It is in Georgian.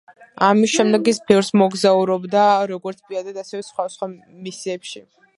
ამის შემდეგ ის ბევრს მოგზაურობდა როგორც პირადად, ასევე სხვადასხვა მისიებში.